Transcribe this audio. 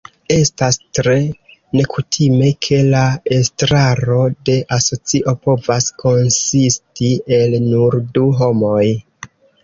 Estas tre nekutime, ke la estraro de asocio povas konsisti el nur du homoj.